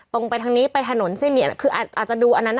ตรงไปทางนี้ไปถนนซิเนี่ยคืออาจจะดูอันนั้นอ่ะ